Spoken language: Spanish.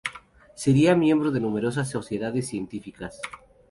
Sería miembro de numerosas sociedades científicas.